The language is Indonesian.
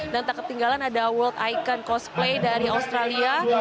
dan tak ketinggalan ada world icon cosplay dari australia